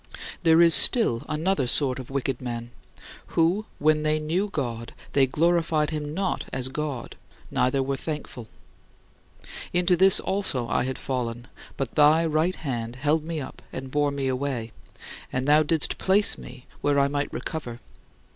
There is still another sort of wicked men, who "when they knew God, they glorified him not as God, neither were thankful." Into this also I had fallen, but thy right hand held me up and bore me away, and thou didst place me where I might recover.